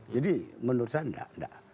jadi menurut saya enggak enggak